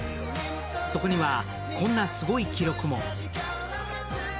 そこには、こんなすごい記録も。